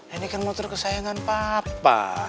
ini kan motor kesayangan papa